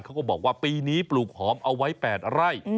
เขาก็บอกว่าปีนี้ปลูกหอมเอาไว้๘ไร่